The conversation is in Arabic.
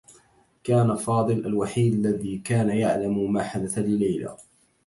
كان فاضل الوحيد الذي كان يعلم ما حدث لليلى.